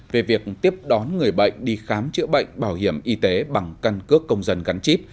về việc tiếp đón người bệnh đi khám chữa bệnh bảo hiểm y tế bằng căn cước công dân gắn chip